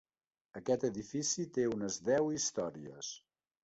Aquest edifici té unes deu històries.